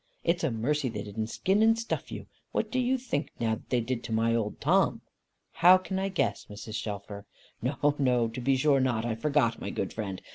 It's a mercy they didn't skin and stuff you. What do you think now they did to my old Tom?" "How can I guess, Mrs. Shelfer?" "No, no, to be sure not. I forgot, my good friend.